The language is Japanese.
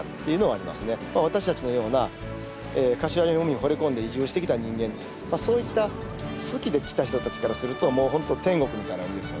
私たちのような柏島の海にほれ込んで移住してきた人間そういった好きで来た人たちからするともう本当天国みたいな海ですよね。